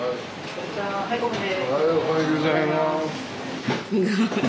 おはようございます。